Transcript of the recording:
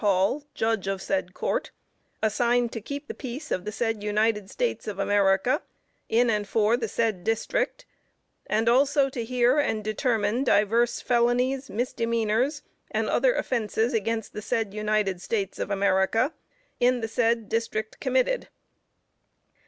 Hall, Judge of the said Court, assigned to keep the peace of the said United States of America, in and for the said District, and also to hear and determine divers Felonies, Misdemeanors and other offences against the said United States of America, in the said District committed.